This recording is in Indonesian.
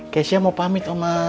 keisha mau pamit omah